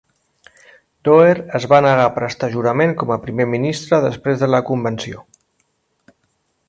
Doer es va negar a prestar jurament com a primer ministre després de la convenció.